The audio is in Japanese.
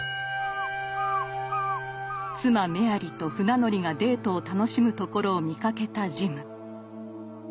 妻メアリと船乗りがデートを楽しむところを見かけたジム。